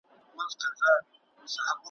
بېګا خوب کي راسره وې نن غزل درته لیکمه `